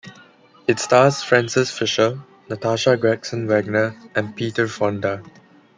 It stars Frances Fisher, Natasha Gregson Wagner, and Peter Fonda.